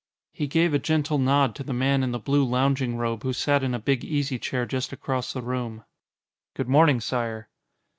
He gave a gentle nod to the man in the blue lounging robe who sat in a big easy chair just across the room. "Good morning, Sire."